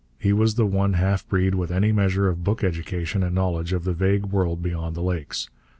He was the one half breed with any measure of book education and knowledge of the vague world beyond the Lakes.